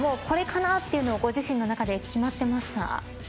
これかなっていうのご自身の中で決まってますか？